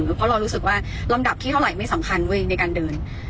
เพราะเรารู้สึกว่าลำดับที่เท่าไหร่ไม่สำคัญเว้ยในการเดิน